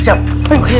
tak akan kejam kejam